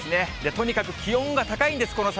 とにかく気温が高いんです、この先。